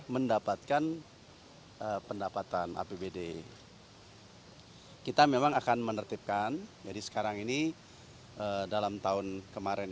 mendapatkan pendapatan apbd kita memang akan menertibkan jadi sekarang ini dalam tahun kemarin